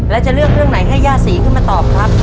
แล้วจะเลือกเรื่องไหนให้ย่าศรีขึ้นมาตอบครับ